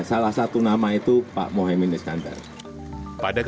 salah satu nama itu pak mohaimin iskandar